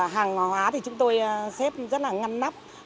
hàng hóa thì chúng tôi xếp rất là ngăn nắp